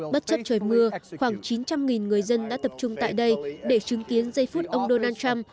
bất chấp trời mưa khoảng chín trăm linh người dân đã tập trung tại đây để chứng kiến giây phút ông donald trump